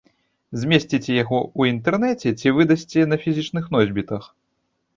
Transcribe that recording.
Змесціце яго ў інтэрнэце ці выдасце на фізічных носьбітах?